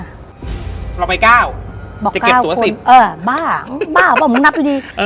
เราไปก้าวบอกเก็บตั๋วสิบเออบ้าบ้าบอกมึงนับดีดีอืม